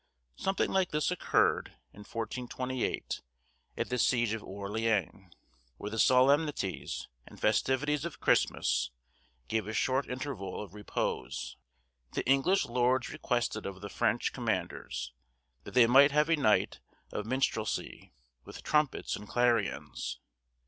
Something like this occurred, in 1428, at the siege of Orleans, "where the solemnities and festivities of Christmas gave a short interval of repose: the English lords requested of the French commanders, that they might have a night of minstrelsy with trumpets and clarions.